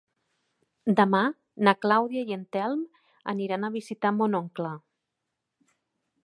Demà na Clàudia i en Telm aniran a visitar mon oncle.